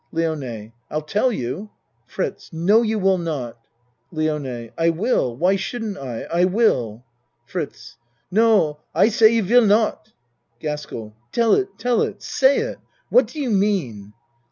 LIONE I'll tell you FRITZ No, you will not. LIONE I will. Why shouldn't I ? I will. FRITZ No, I say you will not. GASKELL Tell it tell it ! Say it. What do you mean?